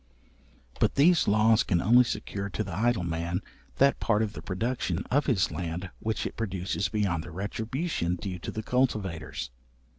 But these laws can only secure to the idle man, that part of the production of his land which it produces beyond the retribution due to the cultivators.